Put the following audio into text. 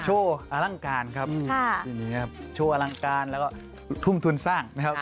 โชว์อลังการครับโชว์อลังการแล้วก็ทุ่มทุนสร้างนะครับ